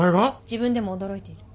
自分でも驚いている。